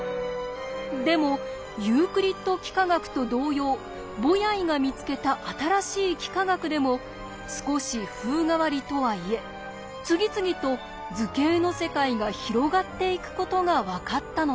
でもユークリッド幾何学と同様ボヤイが見つけた新しい幾何学でも少し風変わりとはいえ次々と図形の世界が広がっていくことが分かったのです。